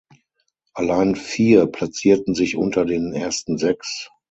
Allein vier platzierten sich unter den ersten sechs.